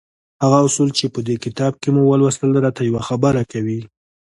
هغه اصول چې په دې کتاب کې مو ولوستل را ته يوه خبره کوي.